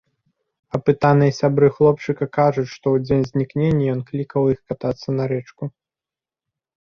Апытаныя сябры хлопчыка кажуць, што ў дзень знікнення ён клікаў іх катацца на рэчку.